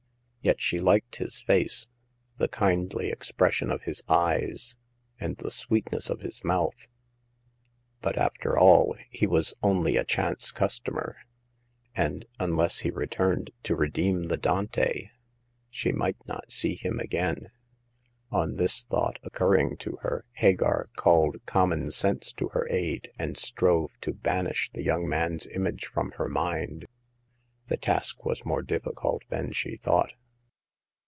Yet she liked his face, the kindly expression of his eyes, and the sweetness of his mouth. But after all he was only a chance customer ; and— unless he returned 40 Hagar of the Pawn Shop. to redeem the Dante— she might not see him again. On this thought occurring to her, Hagar called common sense to her aid, and strove to banish the young man's image from her mind. The task was more difficult than she thought.